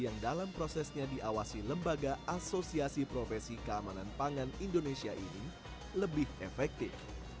yang dalam prosesnya diawasi lembaga asosiasi profesi keamanan pangan indonesia ini lebih efektif